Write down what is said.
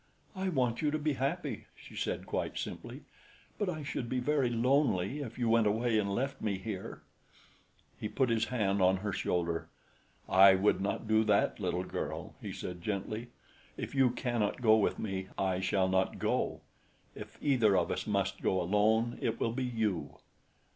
"I want you to be happy," she said quite simply; "but I should be very lonely if you went away and left me here." He put his hand on her shoulder. "I would not do that, little girl," he said gently. "If you cannot go with me, I shall not go. If either of us must go alone, it will be you."